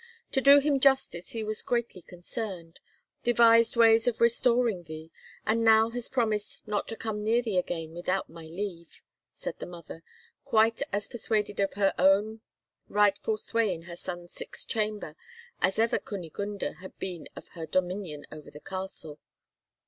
To do him justice he was greatly concerned; devised ways of restoring thee, and now has promised not to come near thee again without my leave," said the mother, quite as persuaded of her own rightful sway in her son's sick chamber as ever Kunigunde had been of her dominion over the castle.